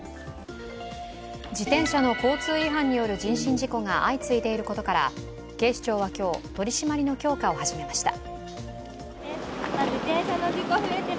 自転車の交通違反による人身事故が相次いでいることから警視庁は今日、取り締まりの強化を始めました。